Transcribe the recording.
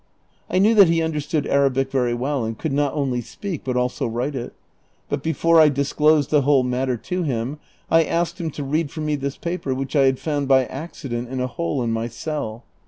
I knew that he understood Arabic very well, and could not only speak but also write it ; but before I disclosed the whole matter to him, I asked him to read for me this paper which I had found by accident in a hole in my cell.